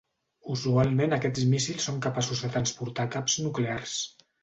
Usualment aquests míssils són capaços de transportar caps nuclears.